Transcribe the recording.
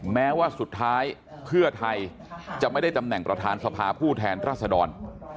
แม้ว่าสุดท้ายเพื่อไทยจะไม่ได้ตำแหน่งประธานสภาผู้แทนรัศดร